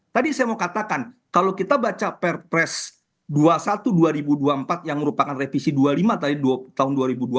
tadi saya mau katakan kalau kita baca perpres dua puluh satu dua ribu dua puluh empat yang merupakan revisi dua puluh lima tadi tahun dua ribu dua puluh